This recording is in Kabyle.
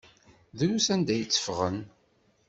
Drus anda ay tteffɣen.